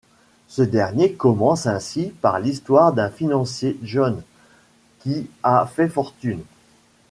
Ce dernier commence ainsi par l'histoire d'un financier, John, qui a fait fortune.